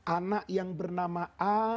anak yang bernama a